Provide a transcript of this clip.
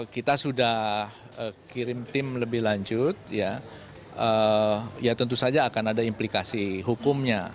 kita sudah kirim tim lebih lanjut ya tentu saja akan ada implikasi hukumnya